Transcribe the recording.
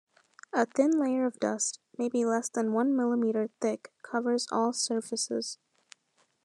A thin layer of dust, maybe less than one millimeter thick covers all surfaces.